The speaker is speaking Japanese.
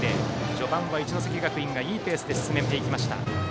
序盤は一関学院がいいペースで進めていきました。